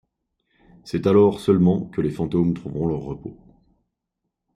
C'est alors seulement que les fantômes trouveront leur repos.